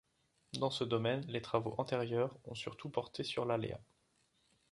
Dans ce domaine, les travaux antérieurs ont surtout porté sur l’aléa.